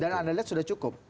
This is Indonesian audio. dan anda lihat sudah cukup